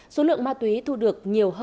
số lượng ma túy thu được nhiều hơn